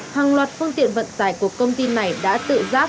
hàng loạt phương tiện vận tải của công ty này đã tự giác